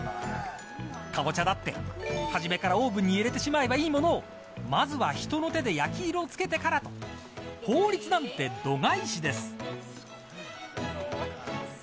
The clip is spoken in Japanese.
カボチャだって初めからオーブンに入れてしまえばいいものをまずは人の手で焼き色をつけてから効率なんて度外視です。